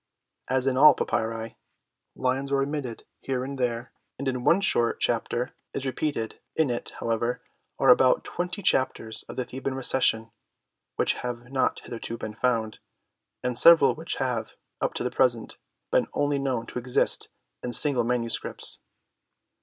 As in all papyri lines are omitted here and there, and one short Chapter is repeated ; in it, how ever, are about twenty Chapters of the Theban Re cension which have not hitherto been found, and several which have, up to the present, been only known to exist in single manuscripts.